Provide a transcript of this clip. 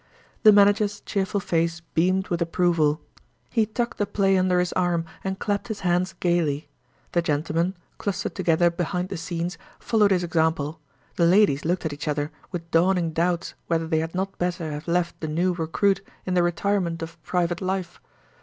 The manager's cheerful face beamed with approval. He tucked the play under his arm, and clapped his hands gayly; the gentlemen, clustered together behind the scenes, followed his example; the ladies looked at each other with dawning doubts whether they had not better have left the new recruit in the retirement of private life.